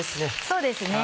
そうですね。